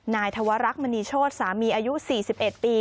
นายธวรักษ์มณีโชธสามีอายุ๔๑ปี